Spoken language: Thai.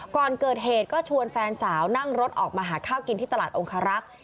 ก่อนเกิดเหตุก็ชวนแฟนสาวนั่งรถออกมาหาข้าวกินที่ตลาดองคารักษ์